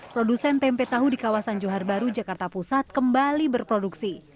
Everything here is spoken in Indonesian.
produsen tempe tahu di kawasan johar baru jakarta pusat kembali berproduksi